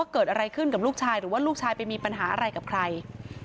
เกิดอะไรขึ้นกับลูกชายหรือว่าลูกชายไปมีปัญหาอะไรกับใคร